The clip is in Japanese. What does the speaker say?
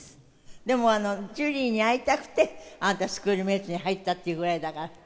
でもジュリーに会いたくてあなたスクールメイツに入ったっていうぐらいだから。